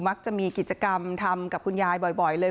มักจะมีกิจกรรมทำกับคุณยายบ่อยเลย